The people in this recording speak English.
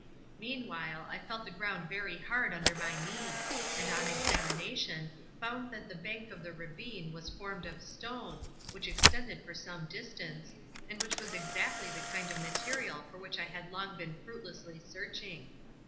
Meanwhile I felt the ground very hard under my knee, and on examination found that the bank of the ravine was formed of stone, which extended for some distance, and which was exactly the kind of material for which I had long been fruitlessly searching.